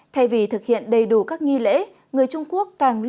thay vì thực hiện đầy đủ các nghi lễ người trung quốc càng lúc càng thay đổi